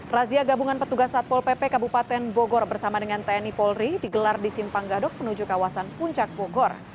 razia gabungan petugas satpol pp kabupaten bogor bersama dengan tni polri digelar di simpang gadok menuju kawasan puncak bogor